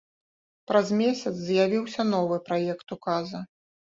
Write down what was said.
Праз месяц з'явіўся новы праект указа.